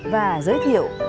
và giới thiệu